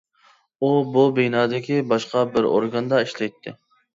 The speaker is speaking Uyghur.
ئۇ بۇ بىنادىكى باشقا بىر ئورگاندا ئىشلەيتتى.